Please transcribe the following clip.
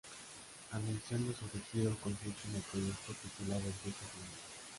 Anunciando su retiro con su ultimo proyecto titulado El Juicio Final.